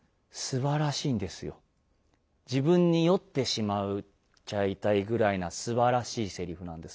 自分に酔ってしまうちゃいたいぐらいなすばらしいせりふなんです。